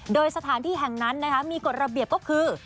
โดยสถานที่แห่งนั้นมีกฎระเบียบก็คือ